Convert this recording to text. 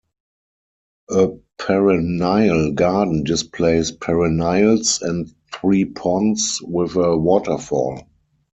A perennial garden displays perennials and three ponds, with a waterfall.